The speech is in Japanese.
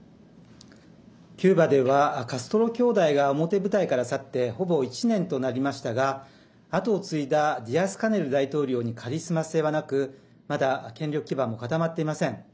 キューバではカストロ兄弟が表舞台から去ってほぼ１年となりましたが後を継いだディアスカネル大統領にカリスマ性はなくまだ、権力基盤も固まっていません。